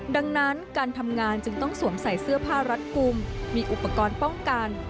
ดังนั้นการทำงานจึงต้องสวมใส่เสื้อผ้ารัดกลุ่มมีอุปกรณ์ป้องกัน